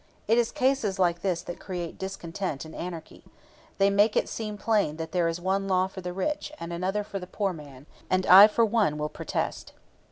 It is cases like this that create discontent and anarchy. They make it seem plain that there is one law for the rich and another for the poor man, and I for one will protest."